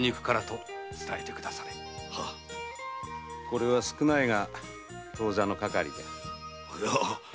これは少ないが当座の費用に。